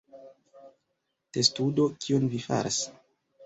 Testudo: "Kion vi faras?"